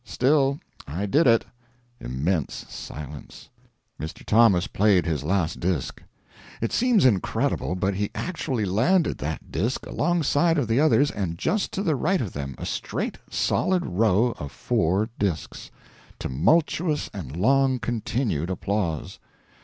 Still I did it. (Immense silence.) Mr. Thomas played his last disk. It seems incredible, but he actually landed that disk alongside of the others, and just to the right of them a straight solid row of 4 disks. (Tumultuous and long continued applause.)